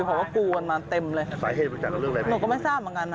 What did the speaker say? หนูก็ไม่ทราบเหมือนกัน